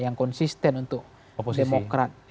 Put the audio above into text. yang konsisten untuk demokrat